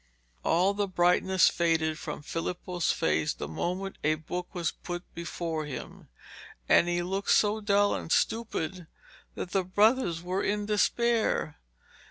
All the brightness faded from Filippo's face the moment a book was put before him, and he looked so dull and stupid that the brothers were in despair.